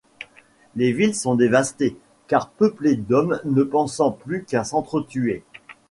Les villes sont dévastées car peuplées d'hommes ne pensant plus qu'à s'entretuer.